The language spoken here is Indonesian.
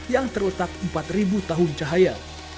yang terletak empat tahun cahaya